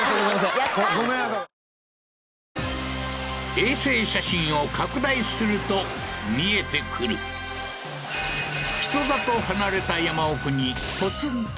衛星写真を拡大すると見えてくる人里離れた